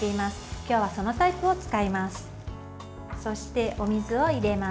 今日は、そのタイプを使います。